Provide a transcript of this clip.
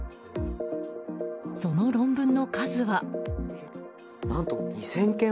その論文の数は。